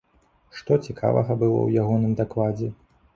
Што цікавага было ў ягоным дакладзе?